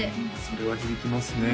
それは響きますね